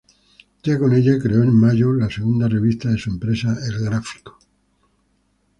Ya con ella, creó en mayo la segunda revista de su empresa: El Gráfico.